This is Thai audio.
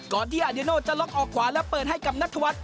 ที่อาเดโน่จะล็อกออกขวาและเปิดให้กับนัทวัฒน